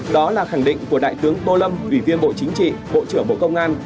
đó là khẳng định của đại tướng tô lâm ủy viên bộ chính trị bộ trưởng bộ công an